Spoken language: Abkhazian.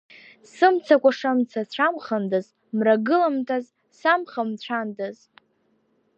Сымцакәаша мцацәамхандаз, мрагыламҭаз самхамцәандаз.